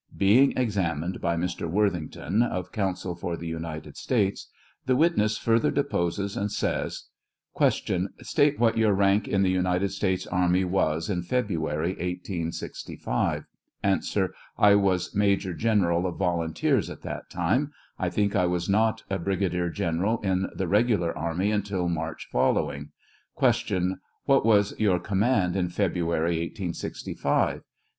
Being examined by Mr. Worthington, of counsel for the United States, the witness further deposes and says: Q. State what your rank in the United States army was in February, 1865 ? A. I was Major General of volunteers at that time ; I think I was not a Brigadier General in the regular army until March following. Q. What was your command in February, 1865 ? A.